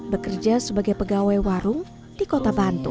bekerja sebagai pegawai warung di kota bandung